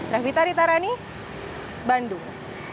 raffi tari tarani bandung